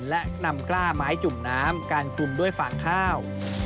และนำกล้าไม้จุ่มน้ำการคลุมด้วยฟางข้าว